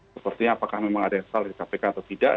sepertinya apakah memang ada yang salah di kpk atau tidak